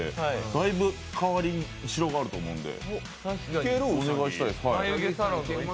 だいぶ、変わりしろがあると思うんで。